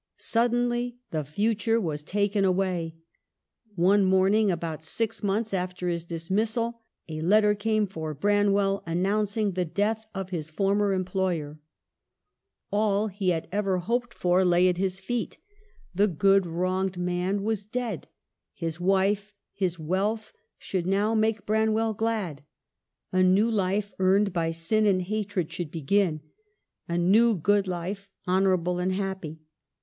Suddenly the future was taken away. One morning, about six months after his dismissal, a letter came for Branwell announcing the death of his former employer. All he had ever hoped for lay at his feet — the good, wronged man was dead. His wife, his wealth, should now: make Branwell glad. A new life, earned by sin and hatred, should begin ; a new good life, honorable and happy.